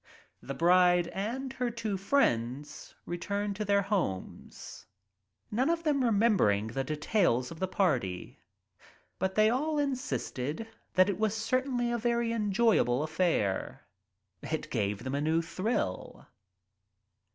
The bride and her two friends returned to their homes, none of them remembering the details of the party. But they all insisted that it certainly was a very enjoyable affair — it gave them a new thrill.